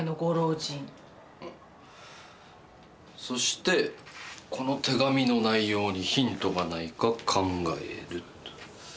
そしてこの手紙の内容にヒントがないか考えると。